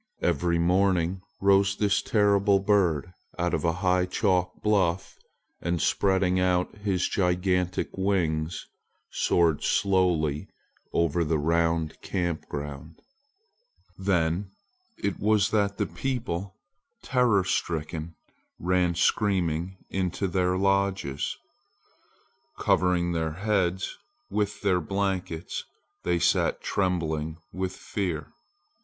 Every morning rose this terrible red bird out of a high chalk bluff and spreading out his gigantic wings soared slowly over the round camp ground. Then it was that the people, terror stricken, ran screaming into their lodges. Covering their heads with their blankets, they sat trembling with fear.